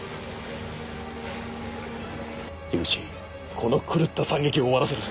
この狂った惨劇を終わらせるぞ。